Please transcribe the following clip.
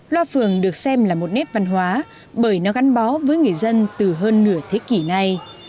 loa phường được xem là một nét văn hóa bởi nó gắn bó với người dân từ hơn nửa thế kỷ nay